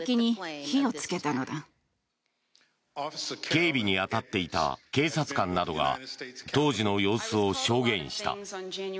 警備に当たっていた警察官などが当時の様子を証言した。